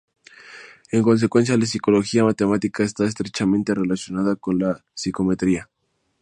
En consecuencia, la psicología matemática está estrechamente relacionada con la psicometría.